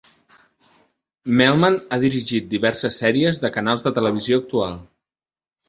Melman ha dirigit diverses sèries de canals de televisió actuals.